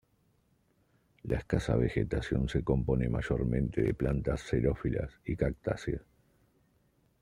La escasa vegetación se compone mayormente de plantas xerófilas y cactáceas.